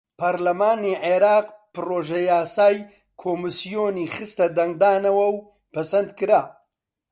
پەڕلەمانی عێراق پڕۆژەیاسای کۆمیسیۆنی خستە دەنگدانەوە و پەسەندکرا.